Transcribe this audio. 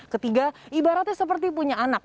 ketiga ibaratnya seperti punya anak